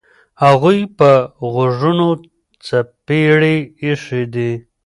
هغوی په غوږونو څپېړې ایښي دي.